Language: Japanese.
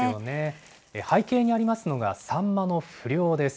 背景にありますのが、サンマの不漁です。